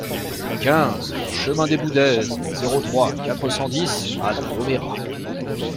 quinze chemin des Boudaises, zéro trois, quatre cent dix à Domérat